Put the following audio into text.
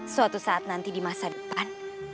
suatu saat nanti di masa depan